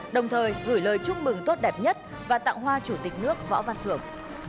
đồng thời gửi lời chúc mừng tốt đẹp nhất và tặng hoa chủ tịch nước võ văn thưởng